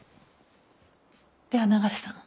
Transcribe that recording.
では永瀬さん